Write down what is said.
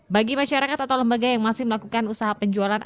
bagi masyarakat atau lembaga yang masih melakukan usaha penjualan